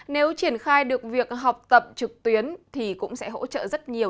nếu triển khai được việc học tập trực tuyến thì cũng sẽ hỗ trợ rất nhiều